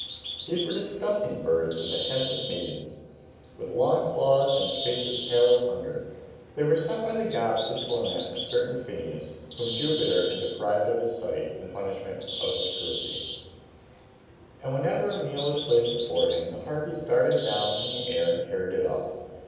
These were disgusting birds with the heads of maidens, with long claws and faces pale with hunger. They were sent by the gods to torment a certain Phineus, whom Jupiter had deprived of his sight, in punishment of his cruelty; and whenever a meal was placed before him the Harpies darted down from the air and carried it off.